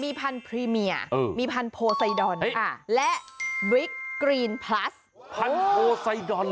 มีพันธุ์พรีเมียเออมีพันธุ์โพไซดอนเอ๊ะอ่าและบริกกรีนพลัสพันธุ์โพไซดอน